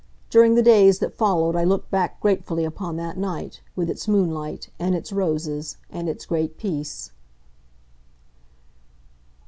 During the days that followed I looked back gratefully upon that night, with its moonlight, and its roses, and its great peace.